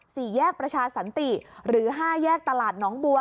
สี่แยกประชาสันติหรือห้าแยกตลาดน้องบัว